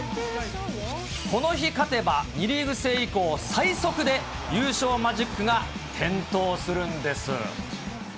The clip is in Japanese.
この日勝てば、２リーグ制以降最速で優勝マジックが点灯するんです。